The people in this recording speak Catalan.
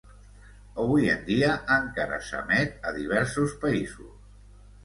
Avui en dia encara s'emet a diversos països.